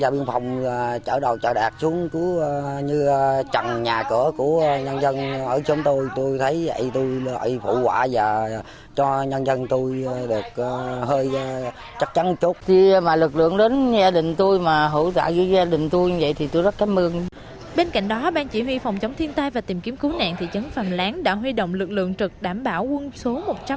bên cạnh đó bang chỉ huy phòng chống thiên tai và tìm kiếm cứu nạn thị trấn phạm lán đã huy động lực lượng trực đảm bảo quân số một trăm linh